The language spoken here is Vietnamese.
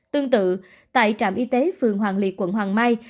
tương tự tại trạm y tế phường hoàng liệt quận hoàng mai